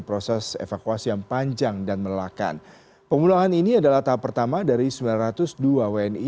proses evakuasi yang panjang dan melelakan pemulangan ini adalah tahap pertama dari sembilan ratus dua wni